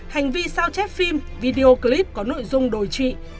hành vi sao chép phim video clip có nội dung đồi trị